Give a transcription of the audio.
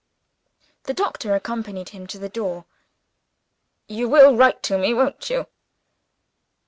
The doctor accompanied him to the door. "You will write to me, won't you?"